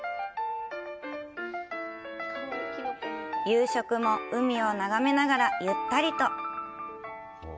夕食も、海を眺めながらゆったりと。